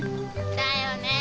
だよねえ。